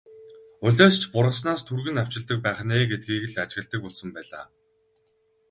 Улиас ч бургаснаас түргэн навчилдаг байх нь ээ гэдгийг л ажигладаг болсон байлаа.